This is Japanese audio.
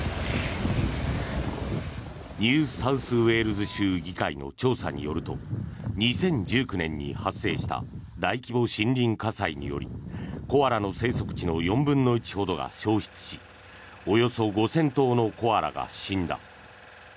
ニューサウスウェールズ州議会の調査によると２０１９年に発生した大規模森林火災によりコアラの生息地の４分の１ほどが焼失しおよそ５０００頭のコアラが死んだ。